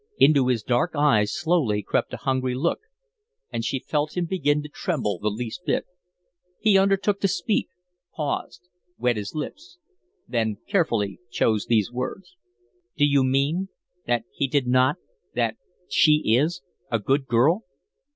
Into his dark eyes slowly crept a hungry look, and she felt him begin to tremble the least bit. He undertook to speak, paused, wet his lips, then carefully chose these words: "Do you mean that he did not that she is a good girl?"